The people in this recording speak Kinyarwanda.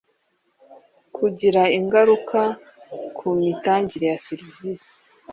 kugira ingaruka ku mitangire ya serivisi